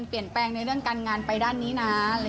เปลี่ยนแปลงในเรื่องการงานไปด้านนี้นะ